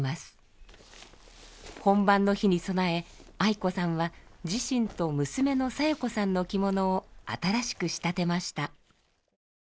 本番の日に備え愛子さんは自身と娘の小夜子さんの着物を新しく仕立てました。